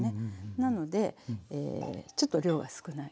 なのでちょっと量が少ない。